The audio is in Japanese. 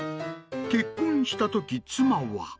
結婚したとき、妻は。